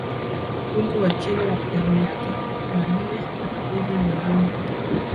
umri wa chini ya miaka kumi na nne Hata hivyo ni vigumu kupata